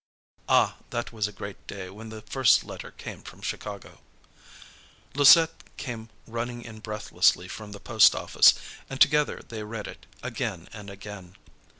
Ah, that was a great day when the first letter came from Chicago! Louisette came running in breathlessly from the post office, and together they read it again and again.